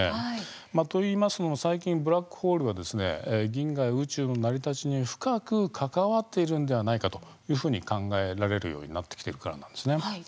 といいますのも最近ブラックホールは銀河や宇宙の成り立ちに深く関わっているんではないかというふうに考えられるようになってきているからなんです。